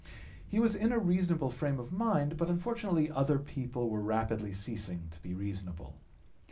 He was in a reasonable frame of mind; but unfortunately other people were rapidly ceasing to be reasonable.